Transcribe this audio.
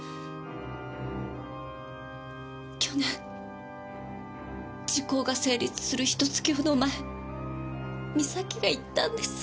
去年時効が成立するひと月ほど前美咲が言ったんです。